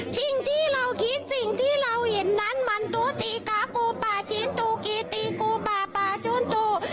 สิ่งที่เราคิดสิ่งที่เราเห็นนั้นมันตัวตีกาปูป่าชิ้นตูกีตีกูป่าป่าจูนตู